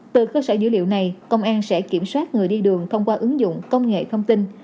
từ cơ sở dữ liệu này công an sẽ kiểm soát người đi đường thông qua ứng dụng công nghệ thông tin